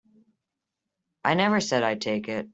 I never said I'd take it.